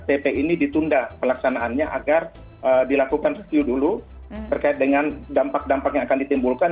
tp ini ditunda pelaksanaannya agar dilakukan review dulu terkait dengan dampak dampak yang akan ditimbulkan